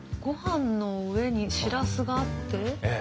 ごはんの上にシラスがあって？